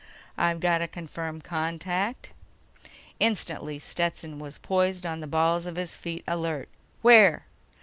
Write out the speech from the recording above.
"I've got a confirmed contact." Instantly, Stetson was poised on the balls of his feet, alert. "Where?"